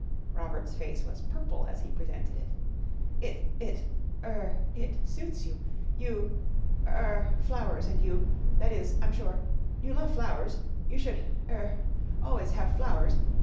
Robert's face was purple as he presented it. "It it er it suits you. You er flowers and you that is I'm sure you love flowers you should er always have flowers.